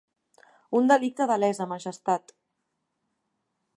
Un delicte de lesa majestat.